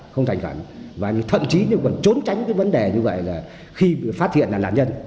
không thành khẩn và thậm chí còn trốn tránh cái vấn đề như vậy là khi phát hiện là nạn nhân